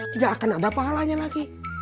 tidak akan ada pahalanya lagi